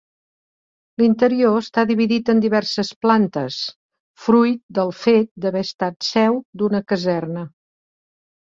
L'interior està dividit en diverses plantes, fruit del fet d'haver estat seu d'una caserna.